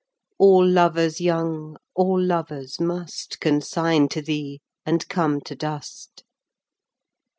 All Louers young, all Louers must, Consigne to thee and come to dust Guid.